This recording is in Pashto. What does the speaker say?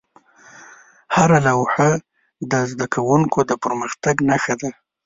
هره لوحه د زده کوونکو د پرمختګ نښه وه.